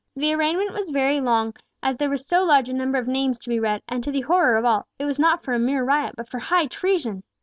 The arraignment was very long, as there were so large a number of names to be read, and, to the horror of all, it was not for a mere riot, but for high treason.